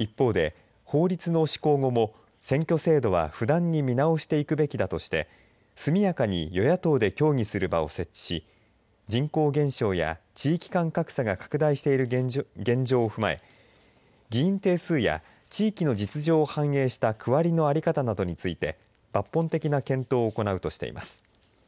一方で、法律の施行後も選挙制度は不断に見直していくべきだとして速やかに与野党で協議する場を設置し人口減少や地域間格差が拡大している現状を踏まえ議員定数や地域の実情を反映した区割りの在り方などについて抜本的な検討を行うとしています。